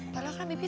padahal kan be